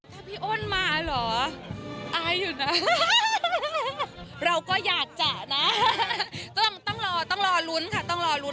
ถ้าพี่อ้นมาเหรออายอยู่นะเราก็อยากจะนะก็ต้องรอต้องรอลุ้นค่ะต้องรอลุ้น